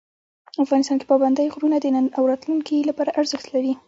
افغانستان کې پابندی غرونه د نن او راتلونکي لپاره ارزښت لري.